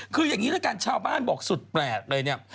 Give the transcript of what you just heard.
คืออย่างนี้ละกันชาวบ้านบอกสุดแปลกเลยเนี่ย